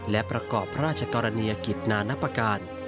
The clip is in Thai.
และประกอบพระราชกรเนยคิดนานปการ